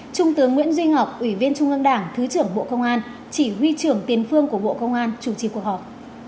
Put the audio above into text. trung tướng nguyễn duy ngọc ủy viên trung ương đảng thứ trưởng bộ công an chỉ huy trưởng tiền phương của bộ công an chủ trì cuộc họp